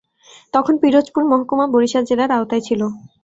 তখন পিরোজপুর মহকুমা বরিশাল জেলার আওতায় ছিল।